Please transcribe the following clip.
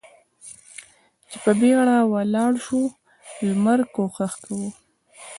چې په بېړه ولاړ شو، لمر کوښښ کاوه.